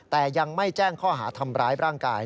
แต่ยังไม่แจ้งข้อหาทำร้ายร่างกาย